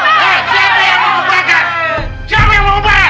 eh siapa yang mau membakar